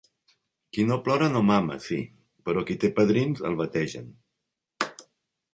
Qui no plora no mama, sí; però qui té padrins, el bategen.